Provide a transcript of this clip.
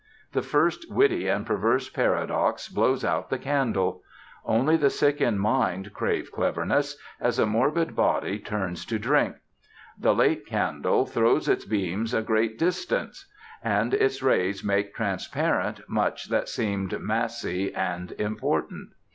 The first witty and perverse paradox blows out the candle. Only the sick in mind crave cleverness, as a morbid body turns to drink. The late candle throws its beams a great distance; and its rays make transparent much that seemed massy and important.